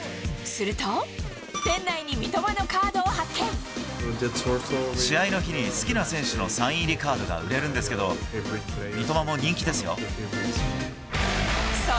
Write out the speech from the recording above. すると、試合の日に、好きな選手のサイン入りカードが売れるんですけど、三笘も人気ですよ。